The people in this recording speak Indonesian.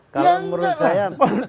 kalau menurut saya